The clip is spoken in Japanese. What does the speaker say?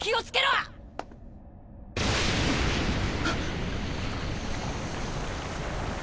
あっ。